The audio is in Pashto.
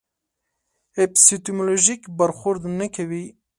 اپیستیمولوژیک برخورد نه کوي.